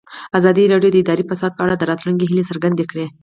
ازادي راډیو د اداري فساد په اړه د راتلونکي هیلې څرګندې کړې.